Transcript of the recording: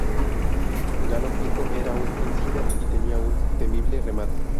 Galo Pinto era un insider y tenía un temible remate.